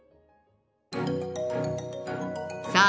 さあ